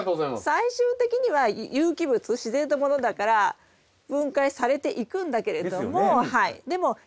最終的には有機物自然のものだから分解されていくんだけれども。ですよね。